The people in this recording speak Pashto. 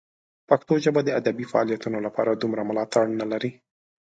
پښتو ژبه د ادبي فعالیتونو لپاره دومره ملاتړ نه لري.